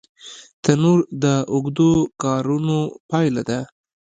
تنور د اوږدو کارونو پایله ده